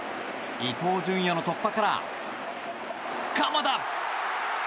伊東純也の突破から鎌田！